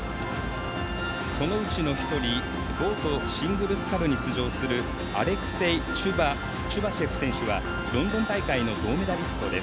そのうちの１人、ボートシングルスカルに出場するアレクセイ・チュバシェフ選手はロンドン大会の銅メダリスト。